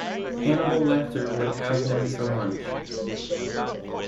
Hannibal Lecter would have him for lunch.